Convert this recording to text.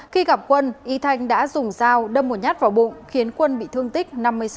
khi gặp quân y thanh đã dùng dao đâm một nhát vào bụng khiến quân bị thương tích năm mươi sáu